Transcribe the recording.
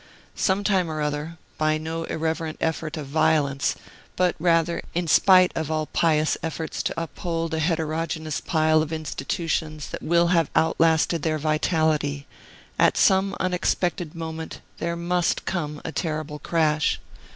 Some time or other, by no irreverent effort of violence, but, rather, in spite of all pious efforts to uphold a heterogeneous pile of institutions that will have outlasted their vitality, at some unexpected moment, there must come a terrible crash.